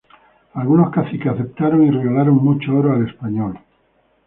Algunos caciques aceptaron y regalaron mucho oro al español.